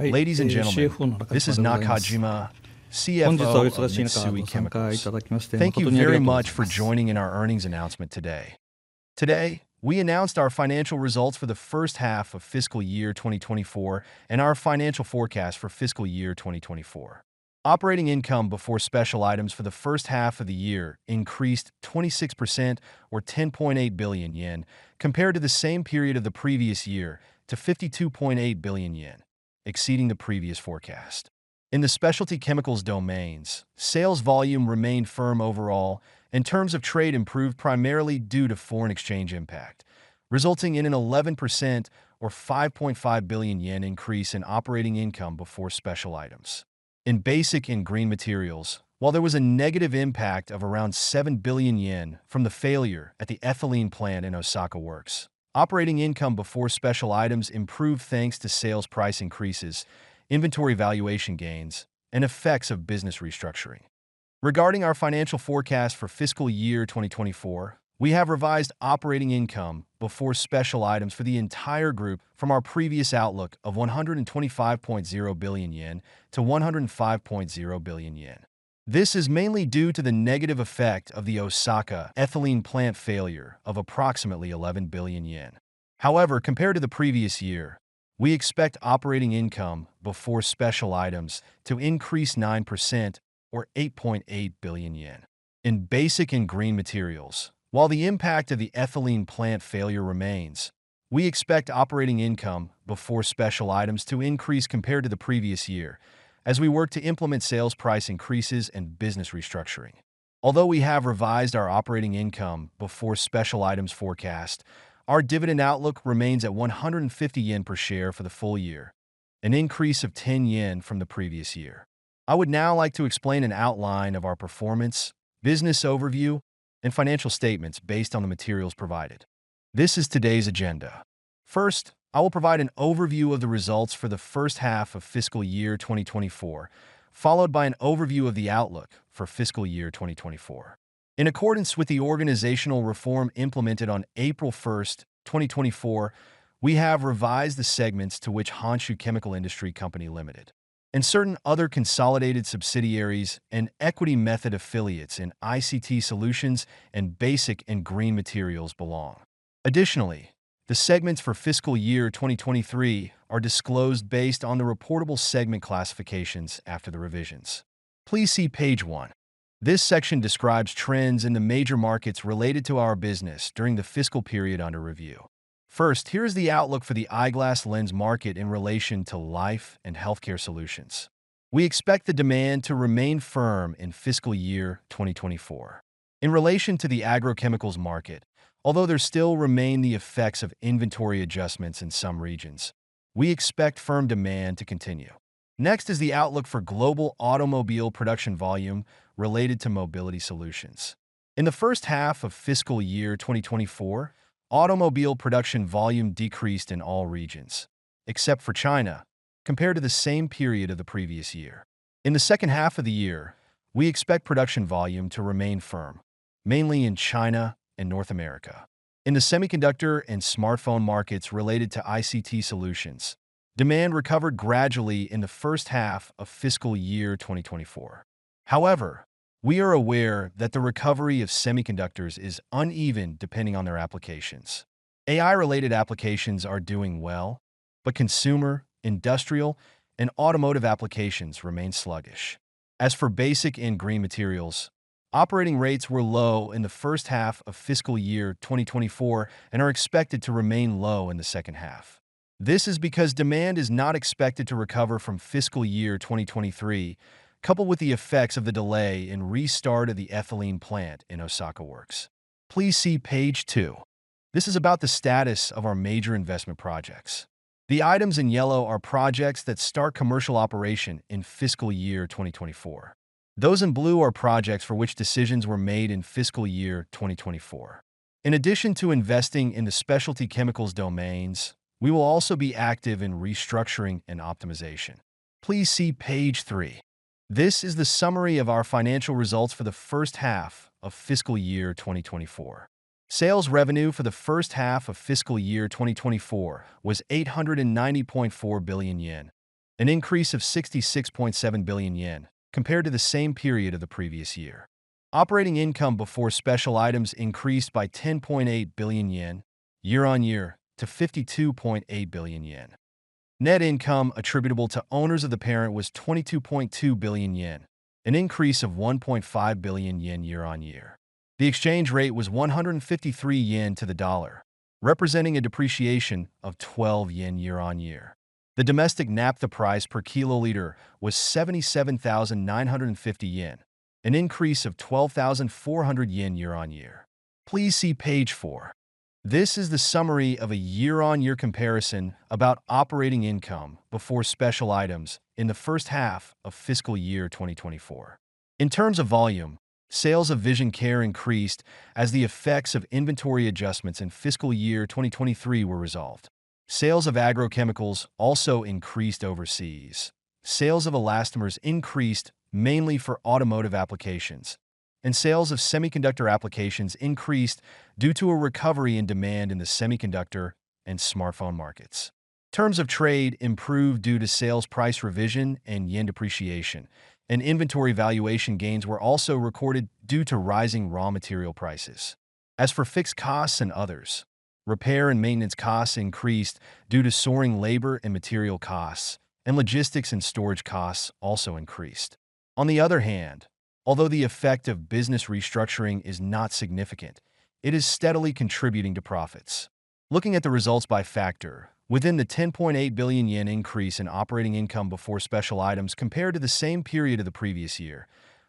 Ladies and gentlemen, this is Nakajima, CFO of Mitsui Chemicals. Thank you very much for joining in our earnings announcement today. Today, we announced our financial results for the first half of fiscal year 2024 and our financial forecast for fiscal year 2024. Operating income before special items for the first half of the year increased 26%, or 10.8 billion yen, compared to the same period of the previous year to 52.8 billion yen, exceeding the previous forecast. In the specialty chemicals domains, sales volume remained firm overall, and terms of trade improved primarily due to foreign exchange impact, resulting in an 11%, or 5.5 billion yen, increase in operating income before special items. In Basic & Green Materials, while there was a negative impact of around 7 billion yen from the failure at the ethylene plant in Osaka Works, operating income before special items improved thanks to sales price increases, inventory valuation gains, and effects of business restructuring. Regarding our financial forecast for fiscal year 2024, we have revised operating income before special items for the entire group from our previous outlook of 125.0 billion yen to 105.0 billion yen. This is mainly due to the negative effect of the Osaka ethylene plant failure of approximately 11 billion yen. However, compared to the previous year, we expect operating income before special items to increase 9%, or 8.8 billion yen. In Basic & Green Materials, while the impact of the ethylene plant failure remains, we expect operating income before special items to increase compared to the previous year, as we work to implement sales price increases and business restructuring. Although we have revised our operating income before special items forecast, our dividend outlook remains at 150 yen per share for the full year, an increase of 10 yen from the previous year. I would now like to explain an outline of our performance, business overview, and financial statements based on the materials provided. This is today's agenda. First, I will provide an overview of the results for the first half of fiscal year 2024, followed by an overview of the outlook for fiscal year 2024. In accordance with the organizational reform implemented on April 1st, 2024, we have revised the segments to which Honshu Chemical Industry Co., Ltd. and certain other consolidated subsidiaries and equity method affiliates in ICT Solutions and Basic & Green Materials belong. Additionally, the segments for fiscal year 2023 are disclosed based on the reportable segment classifications after the revisions. Please see page one. This section describes trends in the major markets related to our business during the fiscal period under review. First, here is the outlook for the eyeglass lens market in relation to Life & Healthcare Solutions. We expect the demand to remain firm in fiscal year 2024. In relation to the agrochemicals market, although there still remain the effects of inventory adjustments in some regions, we expect firm demand to continue. Next is the outlook for global automobile production volume related to Mobility Solutions. In the first half of fiscal year 2024, automobile production volume decreased in all regions, except for China, compared to the same period of the previous year. In the second half of the year, we expect production volume to remain firm, mainly in China and North America. In the semiconductor and smartphone markets related to ICT Solutions, demand recovered gradually in the first half of fiscal year 2024. However, we are aware that the recovery of semiconductors is uneven depending on their applications. AI-related applications are doing well, but consumer, industrial, and automotive applications remain sluggish. As for Basic & Green Materials, operating rates were low in the first half of fiscal year 2024 and are expected to remain low in the second half. This is because demand is not expected to recover from fiscal year 2023, coupled with the effects of the delay in restart of the ethylene plant in Osaka Works. Please see page two. This is about the status of our major investment projects. The items in yellow are projects that start commercial operation in fiscal year 2024. Those in blue are projects for which decisions were made in fiscal year 2024. In addition to investing in the specialty chemicals domains, we will also be active in restructuring and optimization. Please see page three. This is the summary of our financial results for the first half of fiscal year 2024. Sales revenue for the first half of fiscal year 2024 was 890.4 billion yen, an increase of 66.7 billion yen compared to the same period of the previous year. Operating income before special items increased by 10.8 billion yen year-on-year to 52.8 billion yen. Net income attributable to owners of the parent was 22.2 billion yen, an increase of 1.5 billion yen year-on-year. The exchange rate was 153 yen to the dollar, representing a depreciation of 12 yen year-on-year. The domestic naphtha price per kiloliter was 77,950 yen, an increase of 12,400 yen year-on-year. Please see page 4. This is the summary of a year-on-year comparison about operating income before special items in the first half of fiscal year 2024. In terms of volume, sales of Vision Care increased as the effects of inventory adjustments in fiscal year 2023 were resolved. Sales of agrochemicals also increased overseas. Sales of elastomers increased mainly for automotive applications, and sales of semiconductor applications increased due to a recovery in demand in the semiconductor and smartphone markets. Terms of trade improved due to sales price revision and yen depreciation, and inventory valuation gains were also recorded due to rising raw material prices. As for fixed costs and others, repair and maintenance costs increased due to soaring labor and material costs, and logistics and storage costs also increased. On the other hand, although the effect of business restructuring is not significant, it is steadily contributing to profits. Looking at the results by factor, within the 10.8 billion yen increase in operating income before special items compared to the same period of the previous year,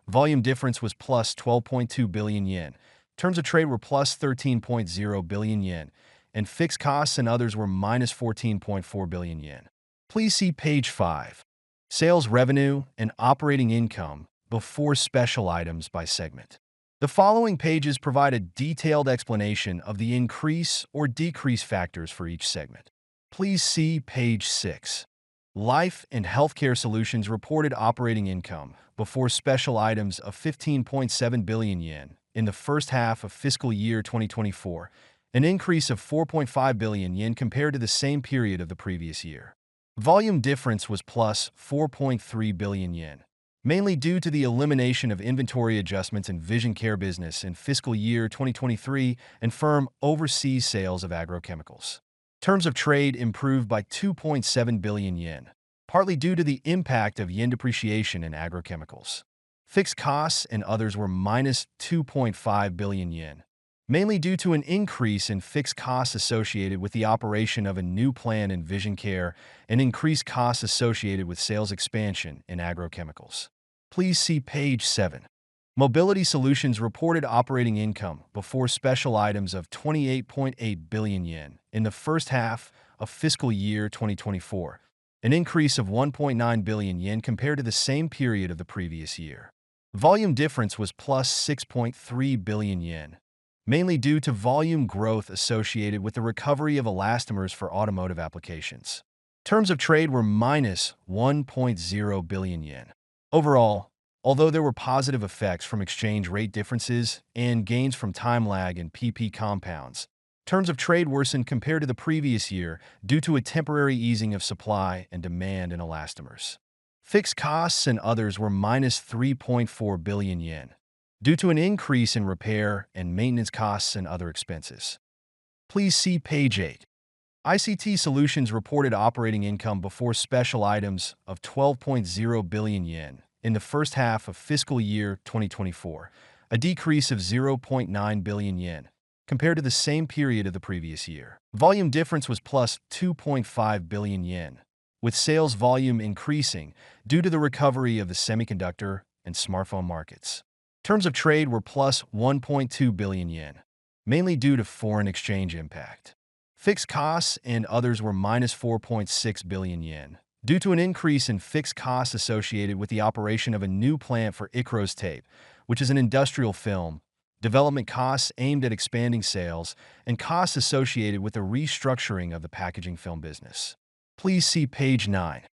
volume difference was +12.2 billion yen, terms of trade were +13.0 billion yen, and fixed costs and others were -14.4 billion yen. Please see page five. Sales revenue and operating income before special items by segment. The following pages provide a detailed explanation of the increase or decrease factors for each segment. Please see page six. Life & Healthcare Solutions reported operating income before special items of 15.7 billion yen in the first half of fiscal year 2024, an increase of 4.5 billion yen compared to the same period of the previous year. Volume difference was +4.3 billion yen, mainly due to the elimination of inventory adjustments in Vision Care business in fiscal year 2023 and firm overseas sales of agrochemicals. Terms of trade improved by 2.7 billion yen, partly due to the impact of yen depreciation in agrochemicals. Fixed costs and others were -2.5 billion yen, mainly due to an increase in fixed costs associated with the operation of a new plant in Vision Care and increased costs associated with sales expansion in agrochemicals. Please see page seven. Mobility Solutions reported operating income before special items of 28.8 billion yen in the first half of fiscal year 2024, an increase of 1.9 billion yen compared to the same period of the previous year. Volume difference was +6.3 billion yen, mainly due to volume growth associated with the recovery of elastomers for automotive applications. Terms of trade were -1.0 billion yen. Overall, although there were positive effects from exchange rate differences and gains from time lag in PP compounds, terms of trade worsened compared to the previous year due to a temporary easing of supply and demand in elastomers. Fixed costs and others were -3.4 billion yen, due to an increase in repair and maintenance costs and other expenses. Please see page eight. ICT Solutions reported operating income before special items of 12.0 billion yen in the first half of fiscal year 2024, a decrease of 0.9 billion yen, compared to the same period of the previous year. Volume difference was +2.5 billion yen, with sales volume increasing due to the recovery of the semiconductor and smartphone markets. Terms of trade were +1.2 billion yen, mainly due to foreign exchange impact. Fixed costs and others were -4.6 billion yen, due to an increase in fixed costs associated with the operation of a new plant for ICROS Tape, which is an industrial film, development costs aimed at expanding sales, and costs associated with the restructuring of the packaging film business. Please see page nine.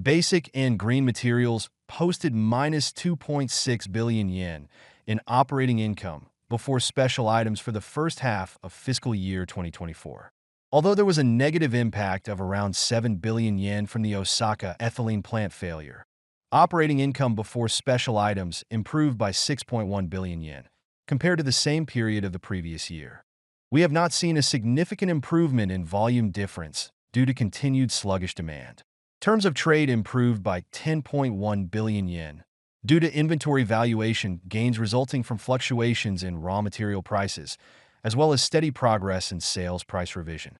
Basic & Green Materials posted -2.6 billion yen in operating income before special items for the first half of fiscal year 2024. Although there was a negative impact of around 7 billion yen from the Osaka ethylene plant failure, operating income before special items improved by 6.1 billion yen, compared to the same period of the previous year. We have not seen a significant improvement in volume difference due to continued sluggish demand. Terms of trade improved by 10.1 billion yen, due to inventory valuation gains resulting from fluctuations in raw material prices, as well as steady progress in sales price revision.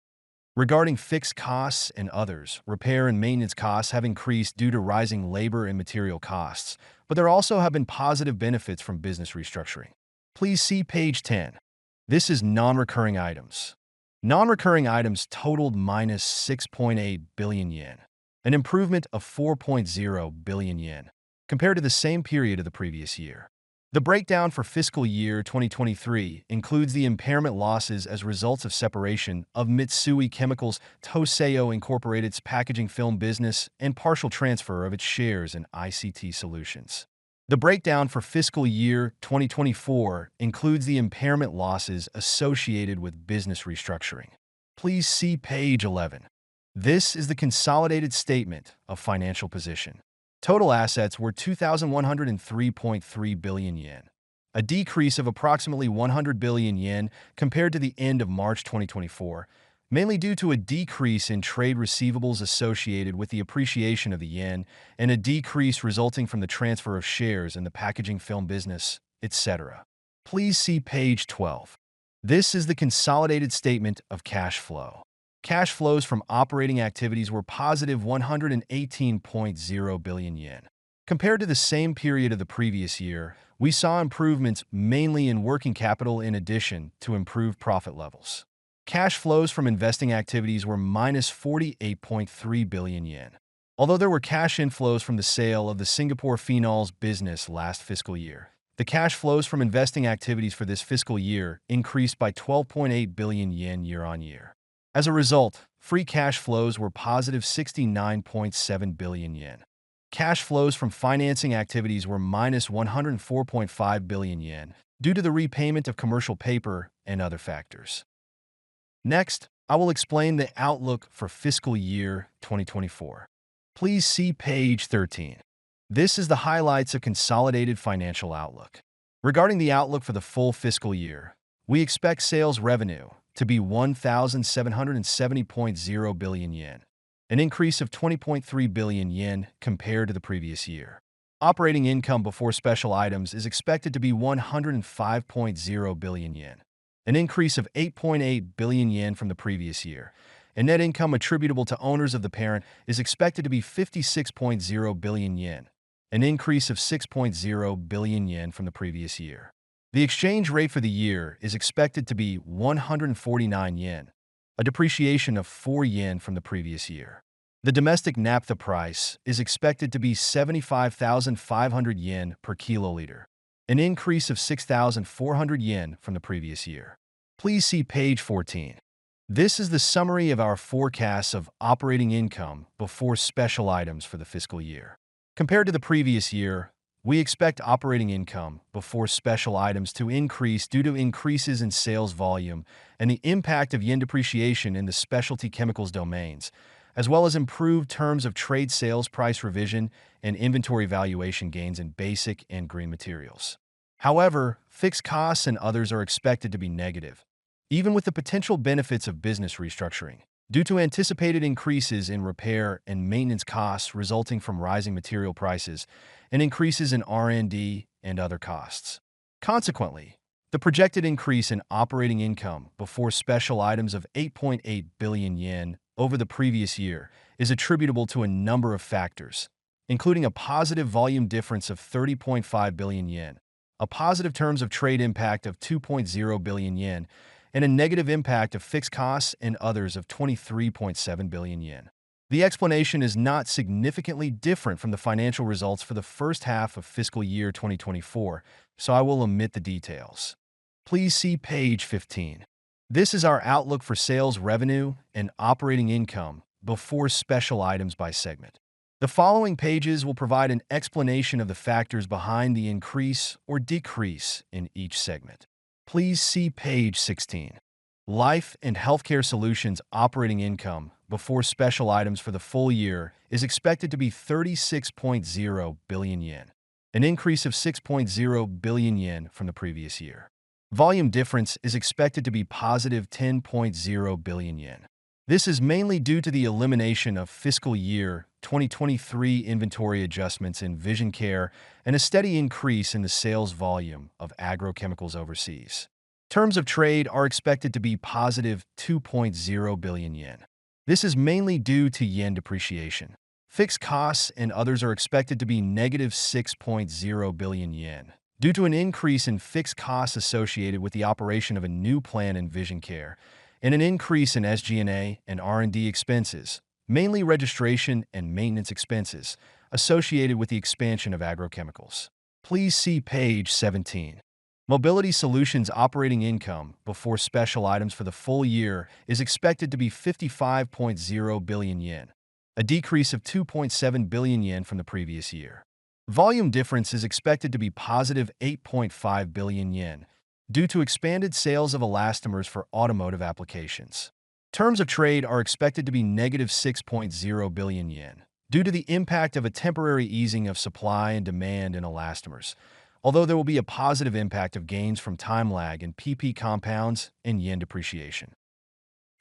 Regarding fixed costs and others, repair and maintenance costs have increased due to rising labor and material costs, but there also have been positive benefits from business restructuring. Please see page 10. This is non-recurring items. Non-recurring items totaled -6.8 billion yen, an improvement of 4.0 billion yen, compared to the same period of the previous year. The breakdown for fiscal year 2023 includes the impairment losses as a result of separation of Mitsui Chemicals Tohcello, Inc.'s packaging film business and partial transfer of its shares in ICT Solutions. The breakdown for fiscal year 2024 includes the impairment losses associated with business restructuring. Please see page 11. This is the consolidated statement of financial position. Total assets were 2,103.3 billion yen, a decrease of approximately 100 billion yen compared to the end of March 2024, mainly due to a decrease in trade receivables associated with the appreciation of the yen and a decrease resulting from the transfer of shares in the packaging film business, etc. Please see page 12. This is the consolidated statement of cash flows. Cash flows from operating activities were +118.0 billion yen. Compared to the same period of the previous year, we saw improvements mainly in working capital in addition to improved profit levels. Cash flows from investing activities were -48.3 billion yen. Although there were cash inflows from the sale of the Singapore Phenols business last fiscal year, the cash flows from investing activities for this fiscal year increased by 12.8 billion yen year-on-year. As a result, free cash flows were +69.7 billion yen. Cash flows from financing activities were -104.5 billion yen, due to the repayment of commercial paper and other factors. Next, I will explain the outlook for fiscal year 2024. Please see page 13. This is the highlights of consolidated financial outlook. Regarding the outlook for the full fiscal year, we expect sales revenue to be 1,770.0 billion yen, an increase of 20.3 billion yen compared to the previous year. Operating income before special items is expected to be 105.0 billion yen, an increase of 8.8 billion yen from the previous year, and net income attributable to owners of the parent is expected to be 56.0 billion yen, an increase of 6.0 billion yen from the previous year. The exchange rate for the year is expected to be 149 yen, a depreciation of 4 yen from the previous year. The domestic naphtha price is expected to be 75,500 yen per kiloliter, an increase of 6,400 yen from the previous year. Please see page 14. This is the summary of our forecasts of operating income before special items for the fiscal year. Compared to the previous year, we expect operating income before special items to increase due to increases in sales volume and the impact of yen depreciation in the specialty chemicals domains, as well as improved terms of trade sales price revision and inventory valuation gains in Basic & Green Materials. However, fixed costs and others are expected to be negative, even with the potential benefits of business restructuring, due to anticipated increases in repair and maintenance costs resulting from rising material prices and increases in R&D and other costs. Consequently, the projected increase in operating income before special items of 8.8 billion yen over the previous year is attributable to a number of factors, including a positive volume difference of 30.5 billion yen, a positive terms of trade impact of 2.0 billion yen, and a negative impact of fixed costs and others of 23.7 billion yen. The explanation is not significantly different from the financial results for the first half of fiscal year 2024, so I will omit the details. Please see page 15. This is our outlook for sales revenue and operating income before special items by segment. The following pages will provide an explanation of the factors behind the increase or decrease in each segment. Please see page 16. Life & Healthcare Solutions operating income before special items for the full year is expected to be 36.0 billion yen, an increase of 6.0 billion yen from the previous year. Volume difference is expected to be +10.0 billion yen. This is mainly due to the elimination of fiscal year 2023 inventory adjustments in Vision Care and a steady increase in the sales volume of agrochemicals overseas. Terms of trade are expected to be +2.0 billion yen. This is mainly due to yen depreciation. Fixed costs and others are expected to be -6.0 billion yen, due to an increase in fixed costs associated with the operation of a new plant in Vision Care and an increase in SG&A and R&D expenses, mainly registration and maintenance expenses, associated with the expansion of agrochemicals. Please see page 17. Mobility Solutions operating income before special items for the full year is expected to be 55.0 billion yen, a decrease of 2.7 billion yen from the previous year. Volume difference is expected to be +8.5 billion yen, due to expanded sales of elastomers for automotive applications. Terms of trade are expected to be -6.0 billion yen, due to the impact of a temporary easing of supply and demand in elastomers, although there will be a positive impact of gains from time lag in PP compounds and yen depreciation.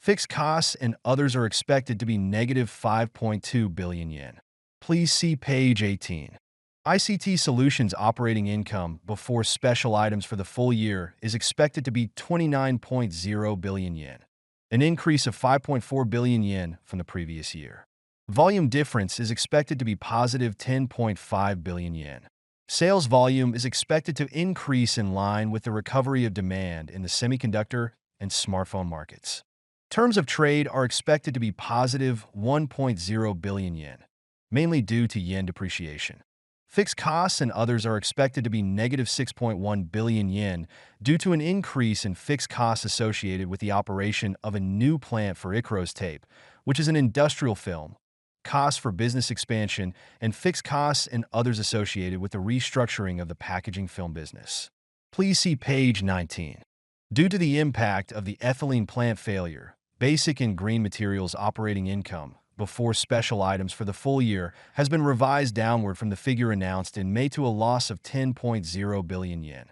Fixed costs and others are expected to be -5.2 billion yen. Please see page 18. ICT Solutions operating income before special items for the full year is expected to be 29.0 billion yen, an increase of 5.4 billion yen from the previous year. Volume difference is expected to be +10.5 billion yen. Sales volume is expected to increase in line with the recovery of demand in the semiconductor and smartphone markets. Terms of trade are expected to be +1.0 billion yen, mainly due to yen depreciation. Fixed costs and others are expected to be -6.1 billion yen due to an increase in fixed costs associated with the operation of a new plant for ICROS Tape, which is an industrial film, costs for business expansion, and fixed costs and others associated with the restructuring of the packaging film business. Please see page 19. Due to the impact of the ethylene plant failure, Basic & Green Materials operating income before special items for the full year has been revised downward from the figure announced in May to a loss of 10.0 billion yen,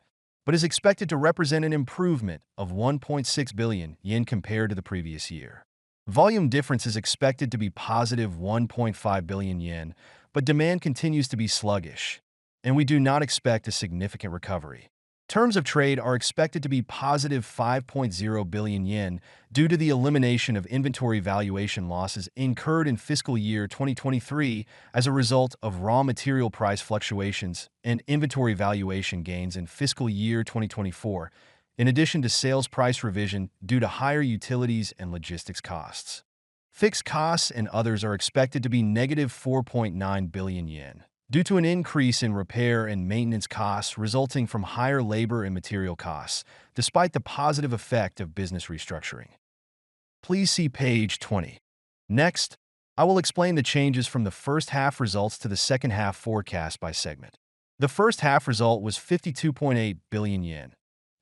but is expected to represent an improvement of 1.6 billion yen compared to the previous year. Volume difference is expected to be +1.5 billion yen, but demand continues to be sluggish, and we do not expect a significant recovery. Terms of trade are expected to be +5.0 billion yen due to the elimination of inventory valuation losses incurred in fiscal year 2023 as a result of raw material price fluctuations and inventory valuation gains in fiscal year 2024, in addition to sales price revision due to higher utilities and logistics costs. Fixed costs and others are expected to be -4.9 billion yen, due to an increase in repair and maintenance costs resulting from higher labor and material costs, despite the positive effect of business restructuring. Please see page 20. Next, I will explain the changes from the first half results to the second half forecast by segment. The first half result was 52.8 billion yen,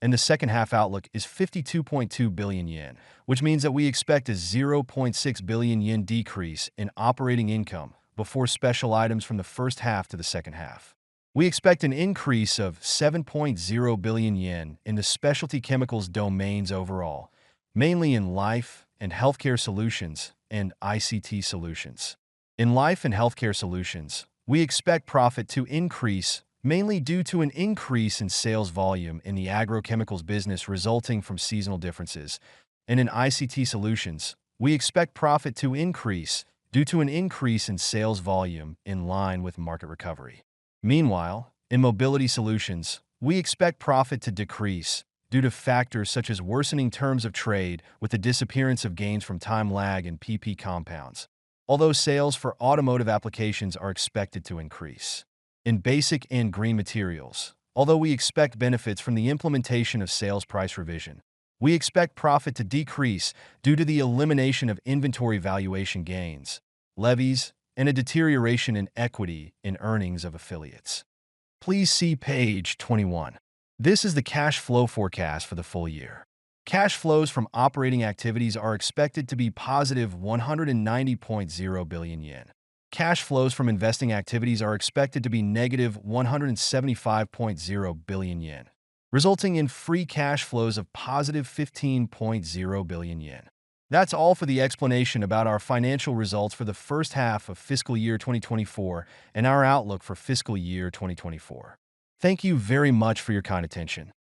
and the second half outlook is 52.2 billion yen, which means that we expect a 0.6 billion yen decrease in operating income before special items from the first half to the second half. We expect an increase of 7.0 billion yen in the specialty chemicals domains overall, mainly in Life & Healthcare Solutions and ICT Solutions. In Life & Healthcare Solutions, we expect profit to increase mainly due to an increase in sales volume in the agrochemicals business resulting from seasonal differences, and in ICT Solutions, we expect profit to increase due to an increase in sales volume in line with market recovery. Meanwhile, in Mobility Solutions, we expect profit to decrease due to factors such as worsening terms of trade with the disappearance of gains from time lag in PP compounds, although sales for automotive applications are expected to increase. In Basic & Green Materials, although we expect benefits from the implementation of sales price revision, we expect profit to decrease due to the elimination of inventory valuation gains, levies, and a deterioration in equity in earnings of affiliates. Please see page 21. This is the cash flow forecast for the full year. Cash flows from operating activities are expected to be +190.0 billion yen. Cash flows from investing activities are expected to be -175.0 billion yen, resulting in free cash flows of +15.0 billion yen. That's all for the explanation about our financial results for the first half of fiscal year 2024 and our outlook for fiscal year 2024. Thank you very much for your kind attention.